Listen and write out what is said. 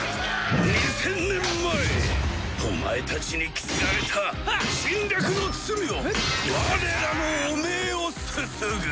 ２０００年前お前たちに着せられた侵略の罪を我らの汚名をすすぐ！